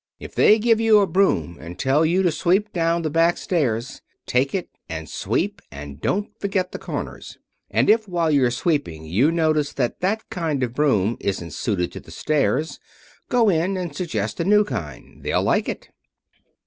If they give you a broom and tell you to sweep down the back stairs, take it, and sweep, and don't forget the corners. And if, while you're sweeping, you notice that that kind of broom isn't suited to the stairs go in and suggest a new kind. They'll like it."